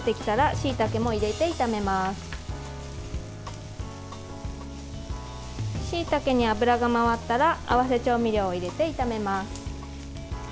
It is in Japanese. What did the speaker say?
しいたけに油が回ったら合わせ調味料を入れて炒めます。